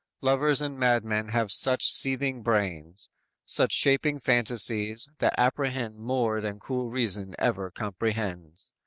Lovers and madmen have such seething brains Such shaping fantasies, that apprehend More than cool reason ever comprehends.